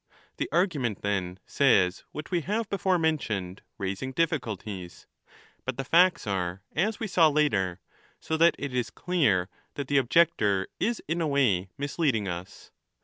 The argument, then, says what we have before mentioned, raising difficulties ; but the facts are as we saw later, so that it is clear that the objector is in a way misleading us.